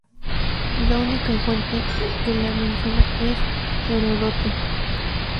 La única fuente que la menciona es Heródoto.